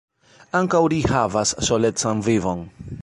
Ankaŭ ri havas solecan vivon.